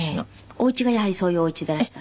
お家がやはりそういうお家でいらした？